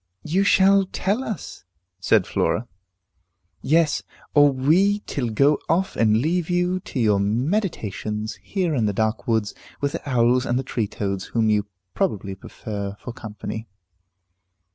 "You shall tell us," said Flora. "Yes, or we till go off and leave you to your meditations, here in the dark woods, with the owls and the tree toads, whom you probably prefer for company."